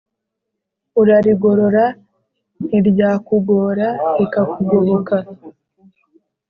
Urarigorora ntiryakugora rirakugoboka